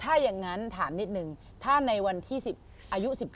ถ้าอย่างนั้นถามนิดนึงถ้าในวันที่อายุ๑๗